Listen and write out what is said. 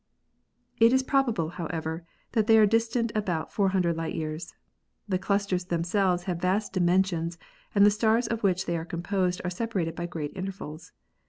It is probable, however, that they are distant about 400 light years. The clusters themselves have vast dimensions and the stars of which they are composed are separated by great intervals.